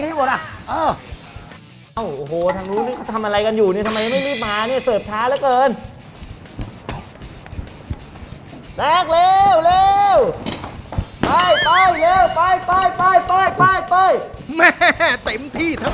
โอ้โหทางนู้นทำอะไรอยู่ทำไมไม่มีมา